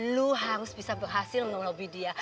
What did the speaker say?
lu harus bisa berhasil nge lobby dia